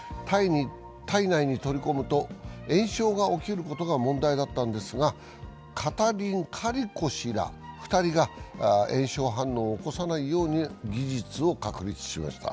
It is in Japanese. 体内に取り込むと炎症が起きることが問題だったんですがカタリン・カリコ氏ら２人が炎症反応を起こさないようにする技術を確立しました。